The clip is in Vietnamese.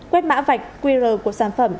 quét mã vạch qr của sản phẩm